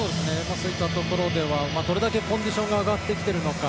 そういったところではどれだけコンディションが上がってきているのか。